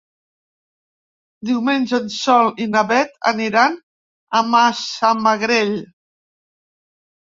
Diumenge en Sol i na Beth aniran a Massamagrell.